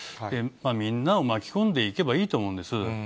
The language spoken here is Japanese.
みんなを巻き込んでいけばいいと思うんです。